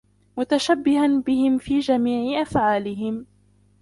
مُتَشَبِّهًا بِهِمْ فِي جَمِيعِ أَفْعَالِهِمْ